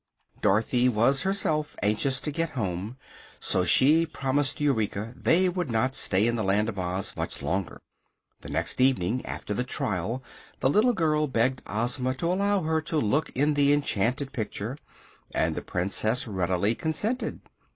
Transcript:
Dorothy was herself anxious to get home, so she promised Eureka they would not stay in the Land of Oz much longer. The next evening after the trial the little girl begged Ozma to allow her to look in the enchanted picture, and the Princess readily consented.